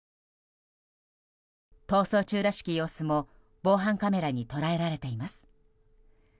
逃走中らしき様子も防犯カメラに捉えられています。